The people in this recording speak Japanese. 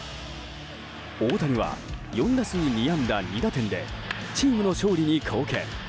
大谷は４打数２安打２打点でチームの勝利に貢献。